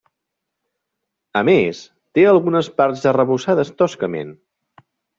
A més té algunes parts arrebossades toscament.